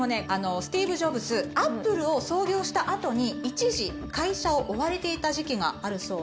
スティーブ・ジョブズ「アップル」を創業したあとに一時会社を追われていた時期があるそうで。